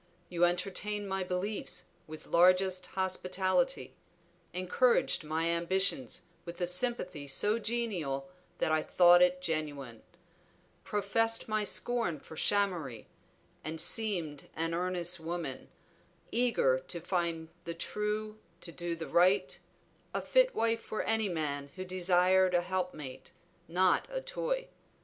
You entertained my beliefs with largest hospitality; encouraged my ambitions with a sympathy so genial that I thought it genuine; professed my scorn for shammery, and seemed an earnest woman, eager to find the true, to do the right; a fit wife for any man who desired a helpmate, not a toy.